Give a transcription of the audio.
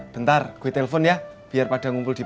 bentar gue telpon ya biar pada ngumpul di pos